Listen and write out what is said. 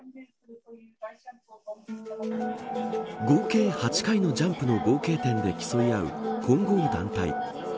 合計８回のジャンプの合計点で競い合う混合団体。